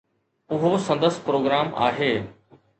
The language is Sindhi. اهو سندس پروگرام آهي.